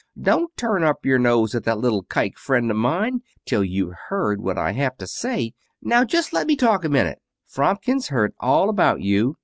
"Don't turn up your nose at that little Kike friend of mine till you've heard what I have to say. Now just let me talk a minute. Fromkin's heard all about you.